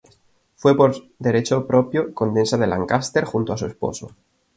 Fue, por derecho propio, condesa de Lancaster, junto a su esposo.